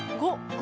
５。